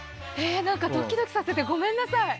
ドキドキさせてごめんなさい。